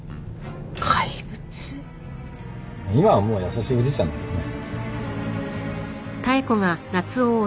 今はもう優しいおじいちゃんだけどね。